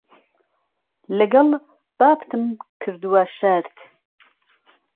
له گهڵ بابتم کردوه شەرت